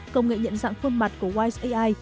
công nghệ nhận dạng khuôn mặt của wise ai